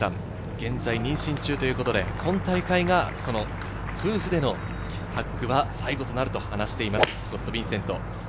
現在、妊娠中ということで、今大会が夫婦でのタッグは最後となると話しています、スコット・ビンセント。